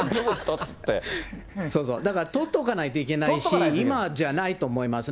だから取っとかないといけないし、今じゃないと思いますね。